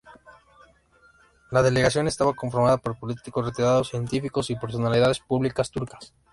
La delegación estaba conformada por políticos retirados, científicos y personalidades públicas turcas.